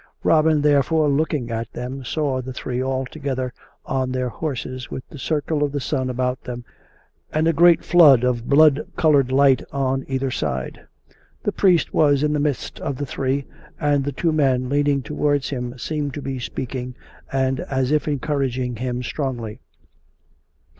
Robin, therefore, looking at them, saw the three all together on their horses with the circle of the sun about them, and a great flood of blood coloured light on every side; the priest was in the midst of the three, and the two men leaning towards him seemed to be speaking and as if encouraging him strongly.